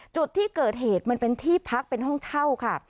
จุดที่เกิดเหตุมันเป็นที่พักเป็นห้องเช่าค่ะ